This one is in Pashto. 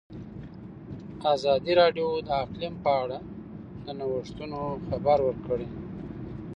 ازادي راډیو د اقلیم په اړه د نوښتونو خبر ورکړی.